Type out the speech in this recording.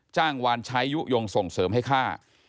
จ้างวานใช้ยุโยงส่งเสริมให้ฆ่า